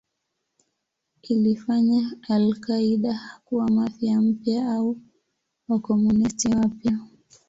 Ilifanya al-Qaeda kuwa Mafia mpya au Wakomunisti wapya.